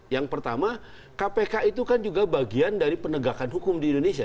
yang pertama kpk itu kan juga bagian dari penegakan hukum di indonesia